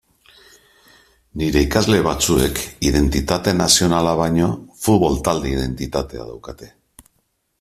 Nire ikasle batzuek identitate nazionala baino futbol-talde identitatea daukate.